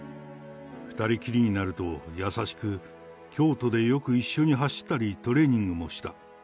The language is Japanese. ２人きりになると優しく、京都でよく一緒に走ったりトレーニングもした。